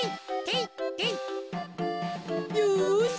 よし！